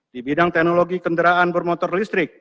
di bidang teknologi kendaraan bermotor listrik